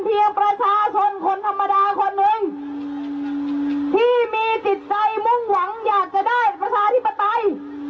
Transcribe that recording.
ที่มีจิตใจมุ่งหวังอยากจะได้ประชาธิปไตย